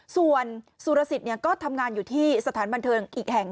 ส่วนสุรสิทธิ์ก็ทำงานอยู่ที่สถานบันเทิงอีกแห่ง